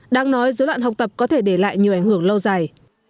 đang nói dối loạn học tập có thể để lại nhiều ảnh hưởng lâu dài